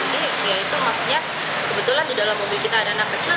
jadi ya itu maksudnya kebetulan di dalam mobil kita ada anak kecil